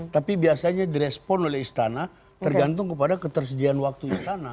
tapi biasanya direspon oleh istana tergantung kepada ketersediaan waktu istana